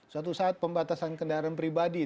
suatu saat pembatasan kendaraan pribadi